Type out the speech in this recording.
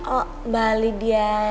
oh mbak lydia